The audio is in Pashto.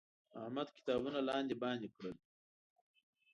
احمد کتابونه لاندې باندې کړل.